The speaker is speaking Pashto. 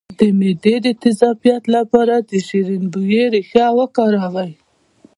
د معدې د تیزابیت لپاره د شیرین بویې ریښه وکاروئ